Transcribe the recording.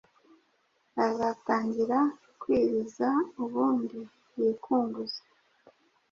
azatangira kwiriza ubundi yikunguze